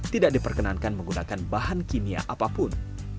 tidak diperkenankan menggunakan bahan kimia apapun